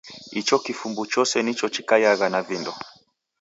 Icho kifumbu chose nicho chikaiagha na vindo.